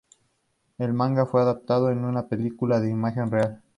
El manga fue adaptado en una película en imagen real.